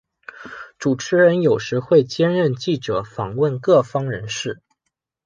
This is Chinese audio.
主持人有时会兼任记者访问各方人士。